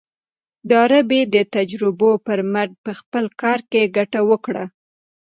ډاربي د تجربو پر مټ په خپل کار کې ګټه وکړه.